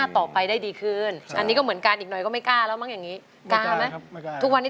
ที่คืออะไรทุกวันนี้